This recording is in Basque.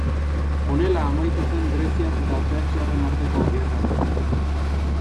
Honela amaitu zen greziar eta persiarren arteko gerra.